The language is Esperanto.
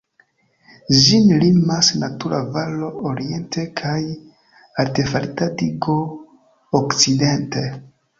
Ĝin limas natura valo oriente kaj artefarita digo okcidente.